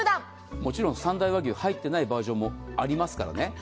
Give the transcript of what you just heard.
もちろん三大和牛が入っていないバージョンもありますよ。